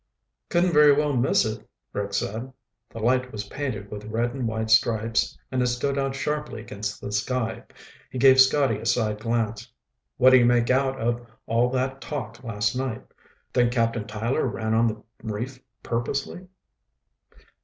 "Couldn't very well miss it," Rick said. The light was painted with red and white stripes and it stood out sharply against the sky. He gave Scotty a side glance. "What did you make out of all that talk last night? Think Captain Tyler ran on the reef purposely?"